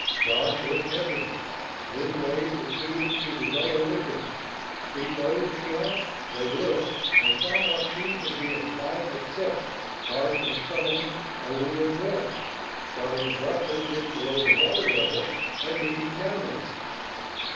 Garf looked hesitant, then waved the two to the rail with him. "See those?" he asked. They looked, and saw what seemed to be a flight of steps, carved from stone, old, and worn, starting abruptly just below the water level and leading downward.